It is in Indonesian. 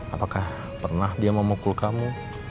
apakah pernah dia memukul kamu